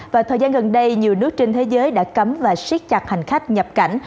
và thời gian gần đây nhiều nước trên thế giới đã cấm và siết chặt hành khách nhập cảnh